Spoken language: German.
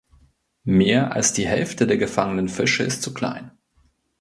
Mehr als die Hälfte der gefangenen Fische ist zu klein.